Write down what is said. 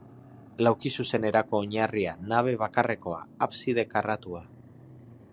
Laukizuzen erako oinarria, nabe bakarrekoa, abside karratua.